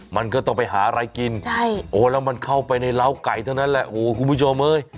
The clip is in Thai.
มันก็ต้องไปหาอะไรกินใช่โอ้แล้วมันเข้าไปในร้าวไก่เท่านั้นแหละโอ้โหคุณผู้ชมเอ้ย